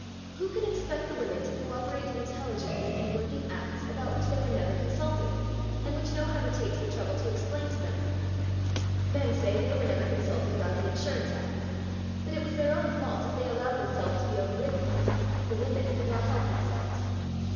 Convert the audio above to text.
Who can expect the women to co operate intelligently in working Acts about which they were never consulted, and which no one ever takes the trouble to explain to them? Men say they were never consulted about the Insurance Act. But it was their own fault if they allowed themselves to be overridden. The women could not help themselves.